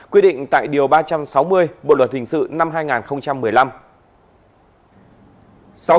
quy định tại điều ba trăm sáu mươi bộ luật hình sự năm hai nghìn một mươi năm